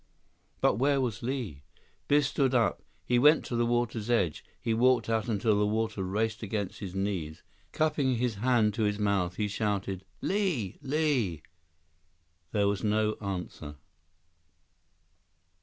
But where was Li? Biff stood up. He went to the water's edge. He walked out until the water raced around his knees. Cupping his hands to his mouth, he shouted: "Li! Li!" There was no answer.